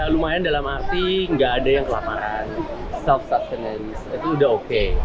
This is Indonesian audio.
lumayan dalam arti nggak ada yang kelaparan self sustinaance itu udah oke